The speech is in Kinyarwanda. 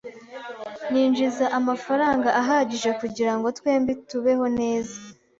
Ninjiza amafaranga ahagije kugirango twembi tubeho neza.